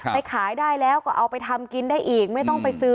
ขายได้แล้วก็เอาไปทำกินได้อีกไม่ต้องไปซื้อ